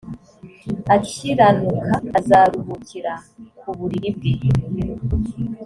akiranuka azaruhukira ku buriri bwe